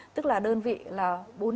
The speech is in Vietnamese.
tức là đơn vị là bốn trăm linh con